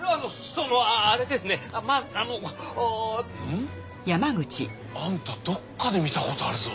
ん？あんたどっかで見たことあるぞ。